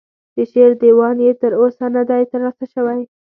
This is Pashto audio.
د شعر دیوان یې تر اوسه نه دی ترلاسه شوی.